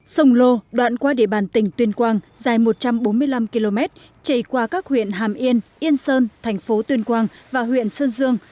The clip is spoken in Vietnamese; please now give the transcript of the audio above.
sông lô đoạn qua địa bàn tỉnh tuyên quang dài một trăm bốn mươi năm km chạy qua các huyện hàm yên yên sơn thành phố tuyên quang và huyện sơn dương